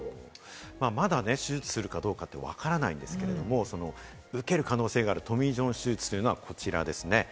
まだ手術するかどうかわからないんですけれども、受ける可能性があるトミー・ジョン手術というのは、こちらですね。